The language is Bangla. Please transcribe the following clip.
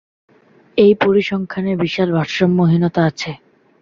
এই পরিসংখ্যানে বিশাল ভারসাম্যহীনতা আছে।